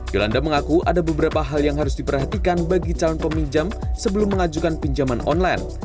yolanda mengaku ada beberapa hal yang harus diperhatikan bagi calon peminjam sebelum mengajukan pinjaman online